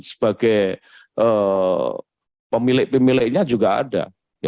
sebagai pemilik pemiliknya juga ada